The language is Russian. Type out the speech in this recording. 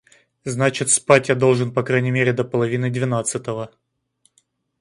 Значит, спать я должен по крайней мере до половины двенадцатого.